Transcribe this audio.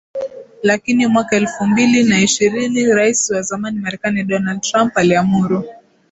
Lakini mwaka elfu mbili na ishirini Raisi wa zamani Marekani Donald Trump aliamuru